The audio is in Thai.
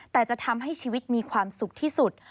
แต่จะทำให้ชีวิตมีความสุขที่สุด